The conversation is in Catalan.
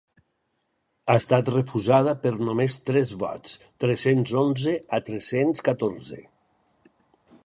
Ha estat refusada per només tres vots, tres-cents onze a tres-cents catorze.